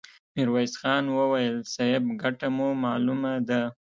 ميرويس خان وويل: صيب! ګټه مو مالومه ده!